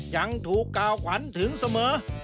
ยังถูกกล่าวขวัญถึงเสมอ